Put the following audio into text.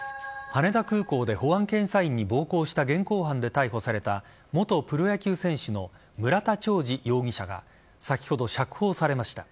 羽田空港で保安検査員に暴行した現行犯で逮捕された元プロ野球選手の村田兆治容疑者が先ほど、釈放されました。